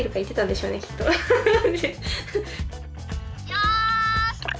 よし！